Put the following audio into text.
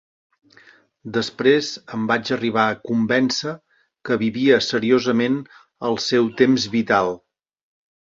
Després em vaig arribar a convèncer que vivia seriosament el seu temps vital.